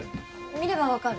見ればわかる。